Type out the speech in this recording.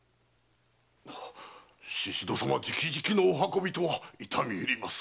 宍戸さま直々のお運びとは痛み入ります。